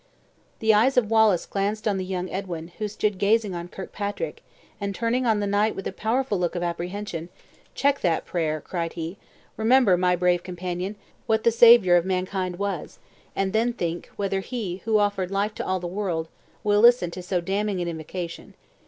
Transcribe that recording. The eyes of Wallace glanced on the young Edwin, who stood gazing on Kirkpatrick, and turning on the knight with a powerful look of apprehension "Check that prayer," cried he; "remember my brave companion, what the Saviour of mankind was; and then think, whether he, who offered life to all the world, will listen to so damning an invocation.